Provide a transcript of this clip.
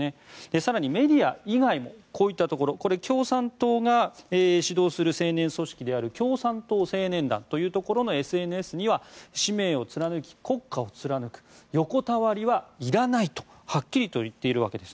更に、メディア以外もこういったところこれは共産党が指導するＳＮＳである共産党青年団というところのＳＮＳには使命を貫き国家を貫く横たわりはいらないとはっきり言っているわけです。